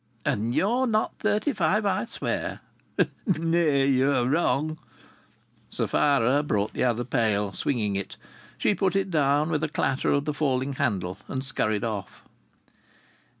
"And you not thirty five, I swear!" "Nay! Ye're wrong." Sapphira brought the other pail, swinging it. She put it down with a clatter of the falling handle and scurried off.